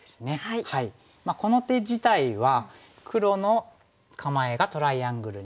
この手自体は黒の構えがトライアングルになる